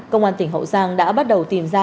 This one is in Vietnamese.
công an tỉnh hậu giang đã bắt đầu tìm ra